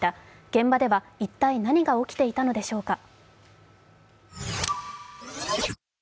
現場では一体、何が起きていたのでしょうか？